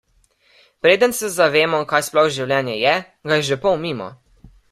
Preden se zavemo, kaj sploh življenje je, ga je že pol mimo.